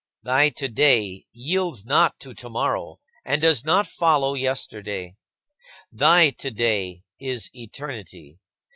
Thy "today" yields not to tomorrow and does not follow yesterday. Thy "today" is eternity.